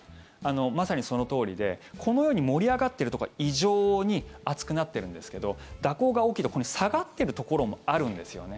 まさにそのとおりでこのように盛り上がっているところは異常に暑くなっているんですけど蛇行が大きいと下がっているところもあるんですよね。